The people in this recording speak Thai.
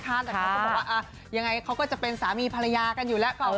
แต่เขาก็บอกว่ายังไงเขาก็จะเป็นสามีภรรยากันอยู่แล้ว